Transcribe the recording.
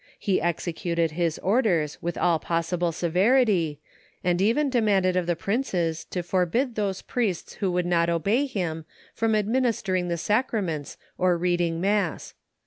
He executed his orders with all possible severity, and even demanded of the princes to forbid those priests who would not obey him from administering the sacraments or reading mass.